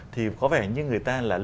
thì có vẻ như người ta là lướt qua